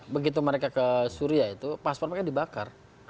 begitu mereka ke syria itu paspor mereka dibakar